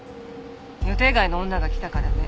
予定外の女が来たからね。